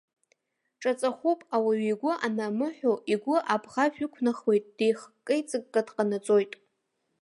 Ҿаҵахәуп, ауаҩы игәы анамыҳәо, игәы абӷажә ықәнахуеит, деихыккеиҵыкка дҟанаҵоит!